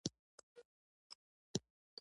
یو ځای کې مې د پولیسو موټر ولید.